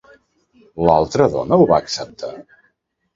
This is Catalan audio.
L'altra dona ho va acceptar?